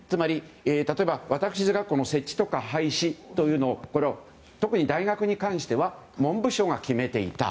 私立学校の設置とか廃止というのをこれを特に大学に関しては文部省が決めていた。